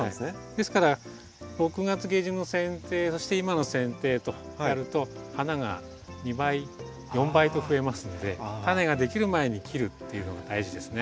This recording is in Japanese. ですから６月下旬のせん定そして今のせん定とやると花が２倍４倍と増えますのでタネができる前に切るっていうのが大事ですね。